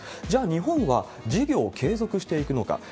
じゃあ、日本は事業継続していくのか。